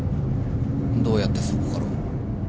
どうやってそこから？